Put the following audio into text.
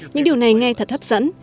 những điều này nghe thật hấp dẫn